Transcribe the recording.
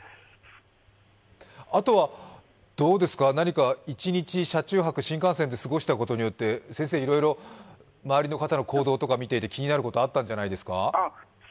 あとは何か一日、車中泊新幹線で過ごしたことによっていろいろ周りの方の行動とか見ていて気になったことあるんじゃないですか？